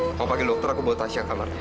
tolong pake dokter aku bawa tasya ke kamar